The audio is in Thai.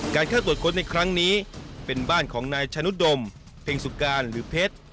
การเข้าตรวจค้นในครั้งนี้เป็นบ้านของนายชะนุดมเพ็งสุการหรือเพชร